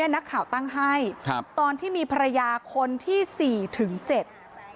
นักข่าวตั้งให้ครับตอนที่มีภรรยาคนที่สี่ถึงเจ็ด